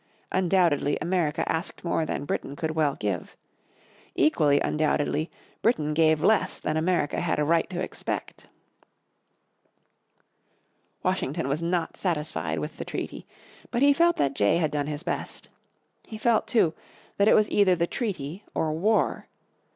Undoubtedly America asked more than Britain could well give. Equally undoubtedly Britain gave less than America had a right to expect. Washington was not satisfied with the treaty, but he felt that Jay had done his best. He felt, too, that it was either the treaty or war.